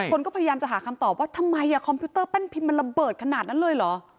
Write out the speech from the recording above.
คนก็พยายามจะหาคำตอบว่าทำไมคอมพิวเตอร์แป้นพิมพ์มันระเบิดขนาดนั้นเลยเหรอ